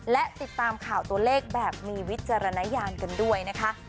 และติดตามข่าวตัวเลขแบบมีวิจารณญาณกันด้วยนะคะ